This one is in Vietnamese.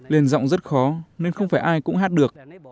lên giọng rất khó nên không phải ai cũng hát được